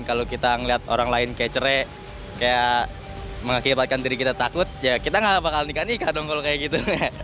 kalau kita melihat orang lain kayak cerai kayak mengakibatkan diri kita takut ya kita nggak bakal nikah nikah dong kalau kayak gitu